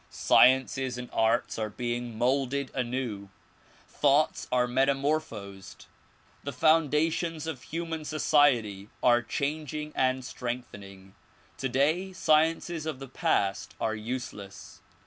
Sciences and arts are being moulded anew. Thoughts are metamorphosed. The foundations of human society are changing and strengthening. Today sciences of the past are useless.